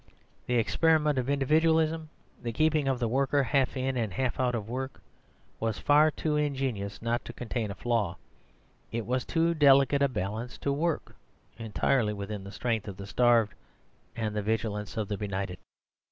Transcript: The experiment of Individualism the keeping of the worker half in and half out of work was far too ingenious not to contain a flaw. It was too delicate a balance to work entirely with the strength of the starved and the vigilance of the benighted.